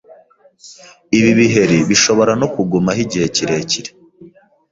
Ibi biheri bishobora no kugumaho igihe kirekire.